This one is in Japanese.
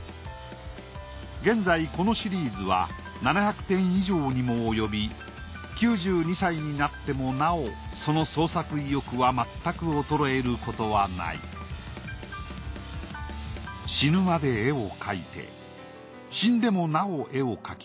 現在このシリーズは７００点以上にも及び９２歳になってもなおその創作意欲はまったく衰えることはない改めて依頼品を見てみよう。